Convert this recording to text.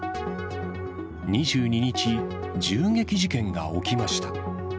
２２日、銃撃事件が起きました。